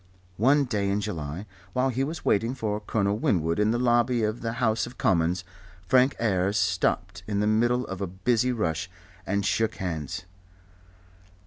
One day in July while he was waiting for Colonel Winwood in the lobby of the House of Commons, Frank Ayres stopped in the middle of a busy rush and shook hands.